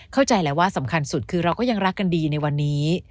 เข้าใจแล้วว่าสำคัญสุดคือเราก็ยังรักกันดีในวันนี้